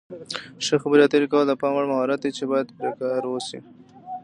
ښې خبرې اترې کول د پام وړ مهارت دی چې باید پرې کار وشي.